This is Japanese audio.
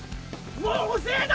もう遅えだ！